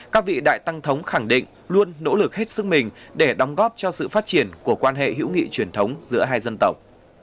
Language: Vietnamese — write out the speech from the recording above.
các vị đại tăng thống khẳng định luôn nỗ lực hết sức mình để đóng góp cho sự phát triển của quan hệ hữu nghị truyền thống giữa hai dân tộc